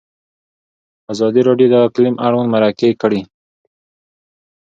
ازادي راډیو د اقلیم اړوند مرکې کړي.